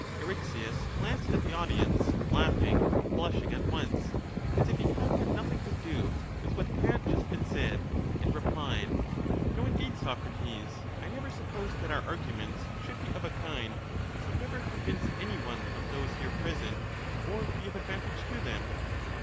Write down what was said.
Eryxias glanced at the audience, laughing and blushing at once, as if he had had nothing to do with what had just been said, and replied, — No, indeed, Socrates, I never supposed that our arguments should be of a kind which would never convince any one of those here present or be of advantage to them.